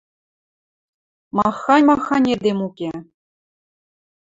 Махань, махань эдем уке!